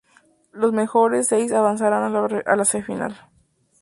Los mejores seis avanzarán a la Semifinal.